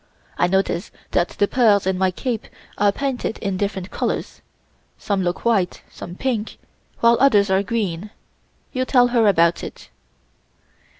I notice that the pearls in my cape are painted in different colors; some look white, some pink, while others are green. You tell her about it."